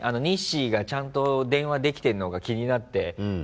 ニッシーがちゃんと電話できてんのか気になって。